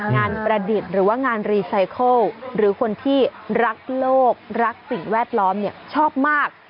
ประดิษฐ์หรือว่างานรีไซเคิลหรือคนที่รักโลกรักสิ่งแวดล้อมชอบมาก